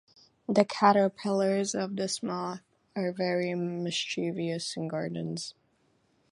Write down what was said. The caterpillars of this moth are very mischievous in gardens.